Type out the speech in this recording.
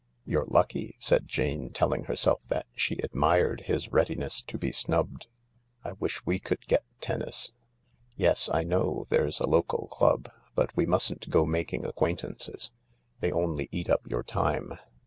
" You're lucky," said Jane, telling herself that she admired his readiness to be snubbed. " I wish we could get tennis. Yes, I know there's a local club, but we mustn't go making acquaintances. They only eat up your time."